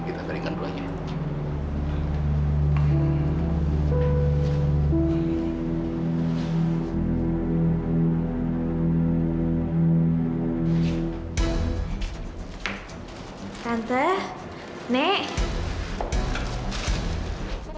gak ada yang datang